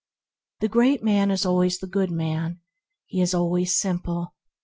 The great man is always the good man; he is always simple.